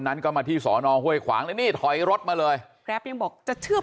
นั้นก็มาที่สอนอห้วยขวางเลยนี่ถอยรถมาเลยแกรปยังบอกจะเชื่อม